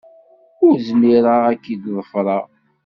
Ur zmireɣ ad k-id-ḍefreɣ.